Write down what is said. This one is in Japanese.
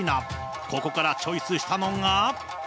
ここからチョイスしたのが。